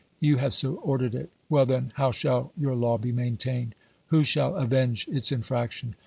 You have so ordered it. Well then, how shall your law be maintained ? Who shall avenge its infraction